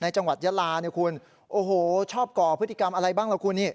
ในจังหวัดยะลาคุณชอบก่อพฤติกรรมอะไรบ้างครับ